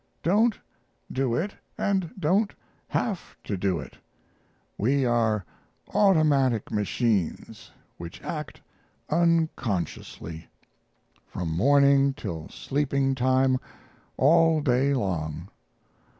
Don't do it, & don't have to do it: we are automatic machines which act unconsciously. From morning till sleeping time, all day long.